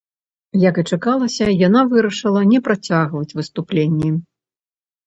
Як і чакалася, яна вырашыла не працягваць выступленні.